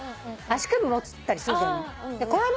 足首持ったりするじゃない。